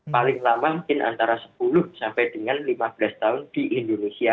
paling lama mungkin antara sepuluh sampai dengan lima belas tahun di indonesia